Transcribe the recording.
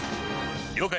了解。